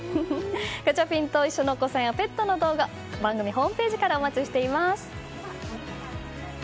ガチャピンといっしょ！のお子さんやペットの動画番組のホームページからお待ちしています。